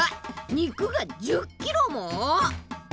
肉が１０ｋｇも！？